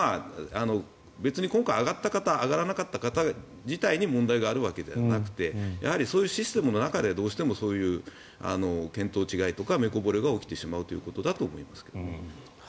別に今回挙がった方挙がらなかった方に問題があるわけではなくてそういうシステムの中でどうしてもそういう見当違いとか目こぼれが起きてしまうということだと思いますけどね。